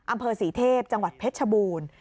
อำเภอศรีเทพจังหวัดเพชรชบูรณ์